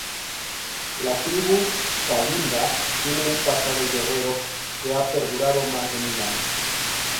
La tribu Kalinga tiene un pasado guerrero que ha perdurado más de mil años.